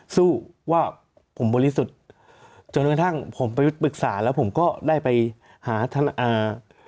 สู้ว่าผมบริสุทธิ์จนกระทั่งผมประยุทธ์ปรึกษาแล้วผมก็ได้ไปหาท่านอ่า